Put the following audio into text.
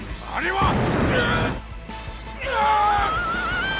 あれは。